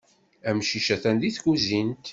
Amcic atan di tkuzint.